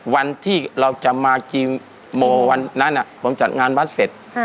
วันที่เราจะมาจริงโมวันนั้นผมจัดงานวัดเสร็จ